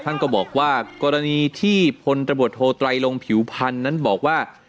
ท่านก็บอกว่ากรณีที่พลตำรวจโทไตรลงผิวพันธ์นั้นบอกว่า